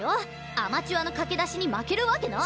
アマチュアの駆け出しに負けるわけない。